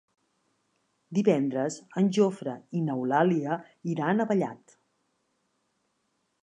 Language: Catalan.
Divendres en Jofre i n'Eulàlia iran a Vallat.